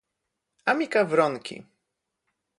Amica Wronki